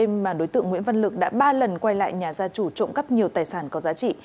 mà đối tượng nguyễn văn lực đã ba lần quay lại nhà gia chủ trộm cắp nhiều tài sản có giá trị